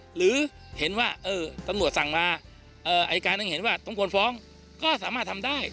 หรือเห็นว่าตำรวจสั่งมาอายการยังเห็นว่าต้องควรฟ้องก็สามารถทำได้